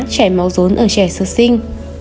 chảy máu rốn ở trẻ sơ sinh